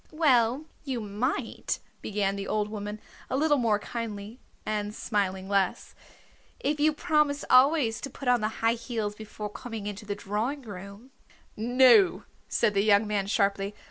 "Well, you might," began the old woman, a little more kindly, and smiling less, "if you promise always to put on the high heels before coming into the drawing room " "No," said the young man sharply.